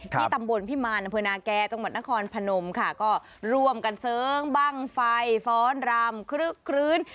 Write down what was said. ที่ตำบลพิมาณพลนาแกจังหวัดนครพนมค่ะก็ร่วมกันเซิงบ้างไฟฟ้อนรำคลื้น